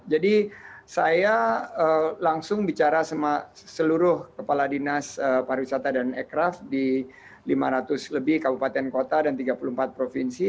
jadi saya langsung bicara sama seluruh kepala dinas pariwisata dan e kraft di lima ratus lebih kabupaten kota dan tiga puluh empat provinsi